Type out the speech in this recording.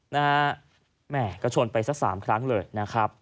แม่ก็ชนไปสัก๓ครั้งเลยนะครับ